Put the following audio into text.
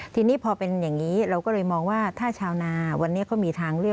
ทีนี้พอเป็นอย่างนี้เราก็เลยมองว่าถ้าชาวนาวันนี้เขามีทางเลือก